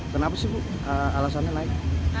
kenapa sih alasannya naik